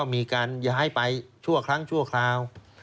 มาชั่วคราวนะ